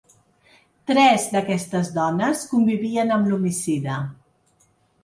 Tres d’aquestes dones convivien amb l’homicida.